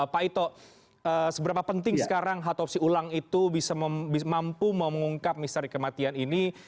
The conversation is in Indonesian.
pak ito seberapa penting sekarang otopsi ulang itu bisa mampu mengungkap misteri kematian ini